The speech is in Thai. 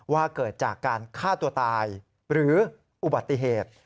ว่าเกิดจากการฆ่าตัวตายหรืออุบัติเหตุ